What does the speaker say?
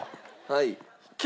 はい。